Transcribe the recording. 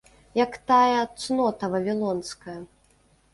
Як тая цнота вавілонская.